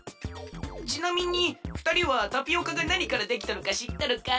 ちなみにふたりはタピオカがなにからできとるかしっとるか？